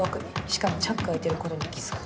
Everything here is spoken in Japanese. しかもチャック開いてることに気付く。